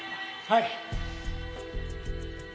はい。